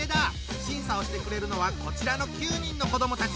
審査をしてくれるのはこちらの９人の子どもたち。